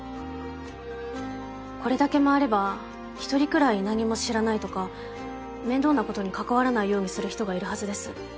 これだけ回れば１人くらい「何も知らない」とか面倒なことに関わらないようにする人がいるはずです。